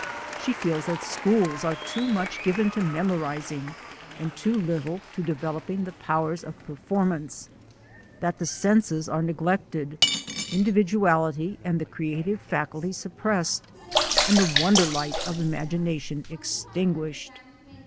She feels that schools are too much given to memorizing and too little to developing the 268 THE ADVENTURES OF A NATURE GUIDE powers of performance; that the senses are neg lected; individuality and the creative faculty sup pressed; and the wonderlight of imagination ex tinguished.